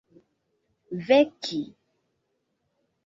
veki